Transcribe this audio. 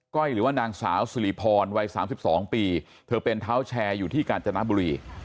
้อยหรือว่านางสาวสุริพรวัย๓๒ปีเธอเป็นเท้าแชร์อยู่ที่กาญจนบุรี